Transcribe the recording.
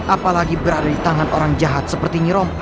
apalagi berada di tangan orang jahat seperti nyirom